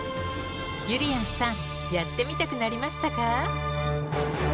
ゆりやんさんやってみたくなりましたか？